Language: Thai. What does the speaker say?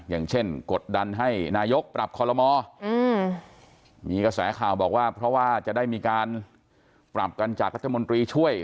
อย่างเช่นกดดันให้นายกปรับคอลโลมอมีกระแสข่าวบอกว่าเพราะว่าจะได้มีการปรับกันจากรัฐมนตรีช่วย